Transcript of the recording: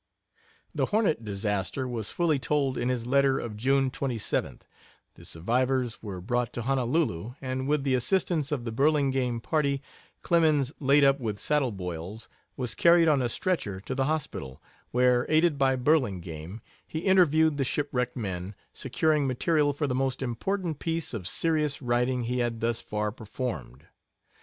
The Hornet disaster was fully told in his letter of June 27th. The survivors were brought to Honolulu, and with the assistance of the Burlingame party, Clemens, laid up with saddle boils, was carried on a stretcher to the hospital, where, aided by Burlingame, he interviewed the shipwrecked men, securing material for the most important piece of serious writing he had thus far performed.